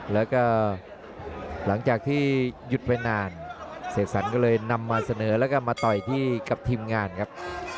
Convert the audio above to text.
แล้วก็หลังจากที่หยุดไปนานเสกสรรก็เลยนำมาเสนอแล้วก็มาต่อยที่กับทีมงานครับ